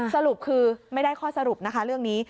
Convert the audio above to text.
สรุปคือไม่ได้ข้อสรุปนะคะเรื่องนี้